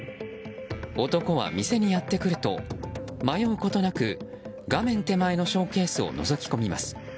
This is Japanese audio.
男は店にやってくると迷うことなく画面手前のショーケースをのぞき込みます。